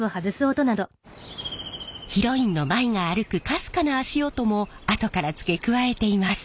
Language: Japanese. ヒロインの舞が歩くかすかな足音もあとから付け加えています。